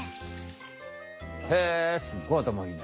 へえすっごいあたまいいね。